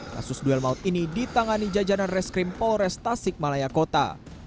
kasus duel maut ini ditangani jajanan reskrim polres tasik malaya kota